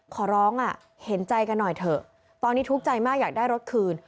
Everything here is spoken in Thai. ขอร้องอ่ะเห็นใจกันหน่อยเถอะตอนนี้ทุกข์ใจมากอยากได้รถคืน